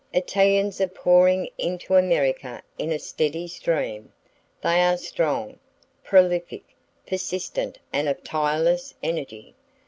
Italians are pouring into America in a steady stream. They are strong, prolific, persistent and of tireless energy.